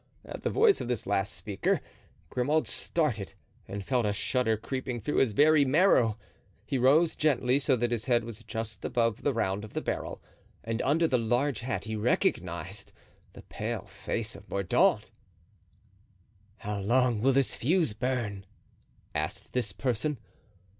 At the voice of this last speaker, Grimaud started and felt a shudder creeping through his very marrow. He rose gently, so that his head was just above the round of the barrel, and under the large hat he recognized the pale face of Mordaunt. "How long will this fuse burn?" asked this person.